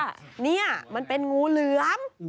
ว่านี่มันเป็นงูเหลือม